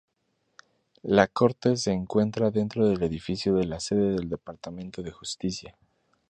La corte se encuentra dentro del edificio de la sede del Departamento de Justicia.